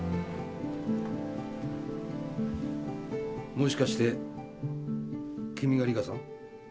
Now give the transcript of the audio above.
もしかして君がリカさん？